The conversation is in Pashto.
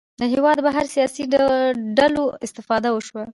له هېواده بهر سیاسي ډلو استفاده وشوه